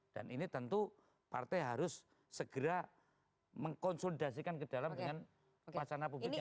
dan ini tentu partai harus segera mengkonsultasikan ke dalam dengan pemasaran publik yang berkembang